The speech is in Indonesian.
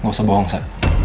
nggak usah bohong sa